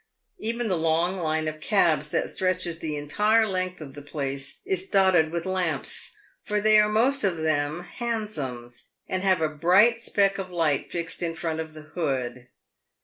Even the long line of cabs that stretches the entire length of the place is dotted with lamps, for they are most of them "Hansoms," and have a bright speck of light fixed in front of the hood.